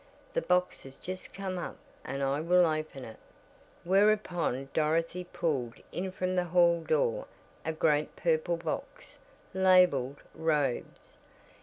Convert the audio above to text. The box has just come up, and I will open it." Whereupon Dorothy pulled in from the hall door a great purple box labeled "robes."